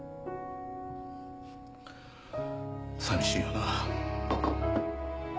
さみしいよな。